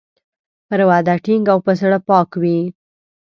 پر وعده ټینګ او په زړه پاک وي.